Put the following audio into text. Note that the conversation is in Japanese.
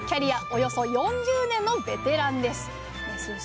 およそ４０年のベテランです。